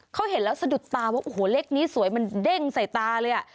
เขาเห็นแล้วสะดุดตาว่าโอ้โหเลขนี้สวยมันเด้งใส่ตาเลยอ่ะ